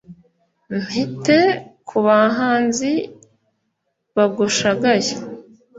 mpite ku bahanzi bagushagaye